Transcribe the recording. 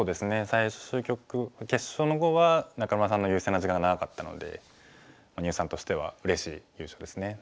最終局決勝の碁は仲邑さんの優勢な時間長かったので牛さんとしてはうれしい優勝ですね。